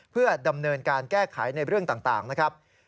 เพื่อดำเนินการแก้ไขในเรื่องต่างนะครับ